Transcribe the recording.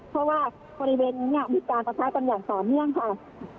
เพราะว่าบริเวณนี้มีการประชาติกันอย่างสองเนื่องค่ะ